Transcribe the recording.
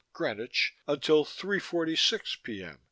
(Greenwich) until three forty six P. M.